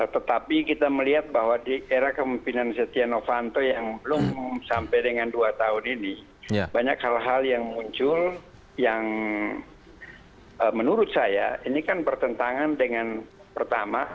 tetapi kita melihat bahwa di era kemimpinan setia novanto yang belum sampai dengan dua tahun ini banyak hal hal yang muncul yang menurut saya ini kan bertentangan dengan pertama